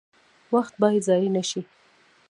وخت باید ضایع نشي